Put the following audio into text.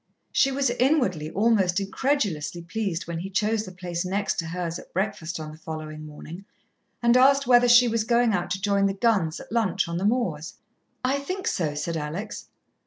She was inwardly almost incredulously pleased when he chose the place next to hers at breakfast on the following morning, and asked whether she was going out to join the guns at lunch on the moors. "I think so," said Alex.